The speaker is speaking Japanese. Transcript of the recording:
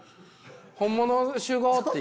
本物集合っていう。